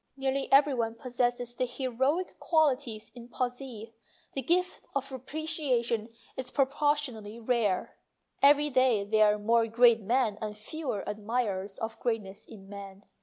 Nearly every one possesses the heroic qualities in posse; the gift of appreciation is proper THE GIFT OF APPRECIATION 227 tionately rare. Every day there are more great men and fewer admirers of greatness in man.